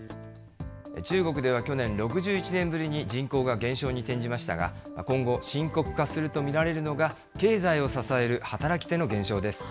中国では去年、６１年ぶりに人口が減少に転じましたが、今後、深刻化すると見られるのが、経済を支える働き手の減少です。